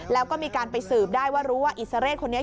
แล้วก็มีการไปสืบได้ว่ารู้ว่าอิสราเรศคนนี้